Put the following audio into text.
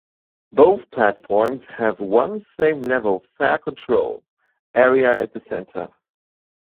Both platforms have one same-level fare control area at the center.